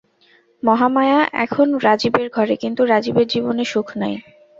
মহামায়া এখন রাজীবের ঘরে, কিন্তু রাজীবের জীবনে সুখ নাই।